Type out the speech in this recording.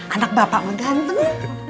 anak bapak menggantung